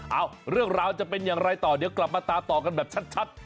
เอาเรื่องราวจะเป็นอย่างไรต่อเดี๋ยวกลับมาตามต่อกันแบบชัด